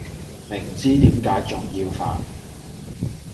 明知點解重要犯?